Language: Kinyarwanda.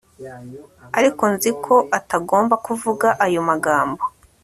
ariko nzi ko atagomba kuvuga ayo magambo